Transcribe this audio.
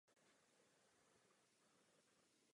Vybrány byly hlavně druhy vyskytující se v Evropě.